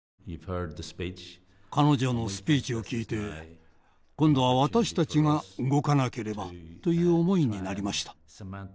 彼女のスピーチを聞いて今度は私たちが動かなければという思いになりました。